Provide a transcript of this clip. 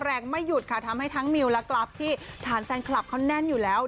ไม่หยุดค่ะทำให้ทั้งมิวและกราฟที่ฐานแฟนคลับเขาแน่นอยู่แล้ว